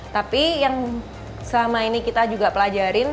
tapi yang selama ini kita juga pelajarin